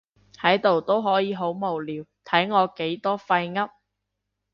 喺度都可以好無聊，睇我幾多廢噏